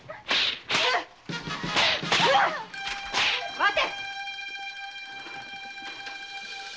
待て！